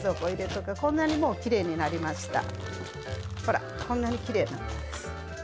ほら、こんなにきれいになったんです。